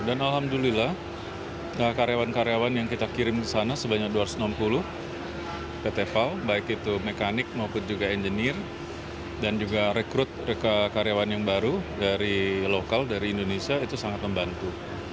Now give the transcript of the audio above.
dan alhamdulillah karyawan karyawan yang kita kirim ke sana sebanyak dua ratus enam puluh pt pal baik itu mekanik maupun juga engineer dan juga rekrut karyawan yang baru dari lokal dari indonesia itu sangat membantu